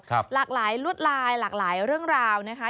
หลากหลายลวดลายหลากหลายเรื่องราวนะคะ